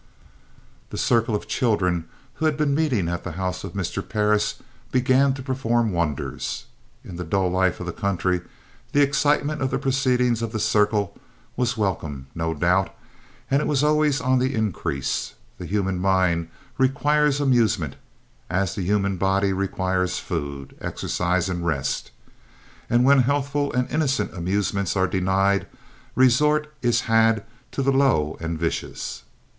The circle of children who had been meeting at the house of Mr. Parris began to perform wonders. In the dull life of the country, the excitement of the proceedings of the "circle" was welcome, no doubt, and it was always on the increase. The human mind requires amusement, as the human body requires food, exercise and rest, and when healthful and innocent amusements are denied, resort is had to the low and vicious.